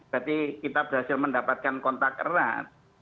berarti kita berhasil mendapatkan kontak erat